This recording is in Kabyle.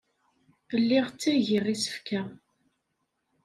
Lliɣ ttagiɣ isefka.